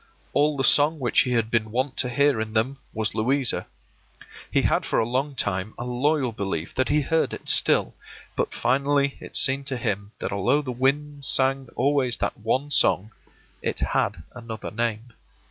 All the song which he had been wont to hear in them was Louisa; he had for a long time a loyal belief that he heard it still, but finally it seemed to him that although the winds sang always that one song, it had another name.